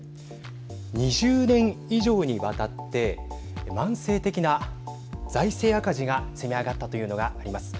２０年以上にわたって慢性的な財政赤字が積み上がったというのがあります。